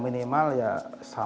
di negara negara like hah